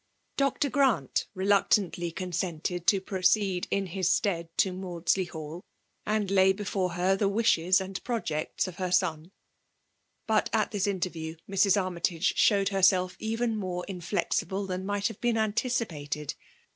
Dr. GnuQit re* luctantly consented to proceed in his stead to Maudsley Hall, and lay before her the wishei ftnd projects of her son. But at this interview Mrs. Armytage showed herself even more inflexible t}ian might have been anticipated.